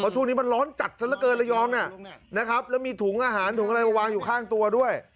ช่วงนี้มันร้อนจัดซะละเกินระยองเนี่ยนะครับแล้วมีถุงอาหารถุงอะไรมาวางอยู่ข้างตัวด้วย